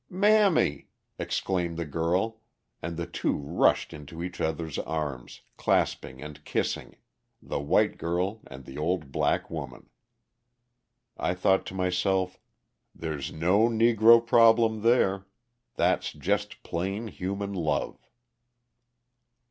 "Mammy!" exclaimed the girl, and the two rushed into each other's arms, clasping and kissing the white girl and the old black woman. I thought to myself: "There's no Negro problem there: that's just plain human love!"